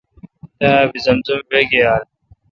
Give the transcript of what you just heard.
تا آب زمزم وئ گیال۔